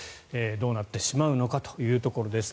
どうなってしまうのかというところです。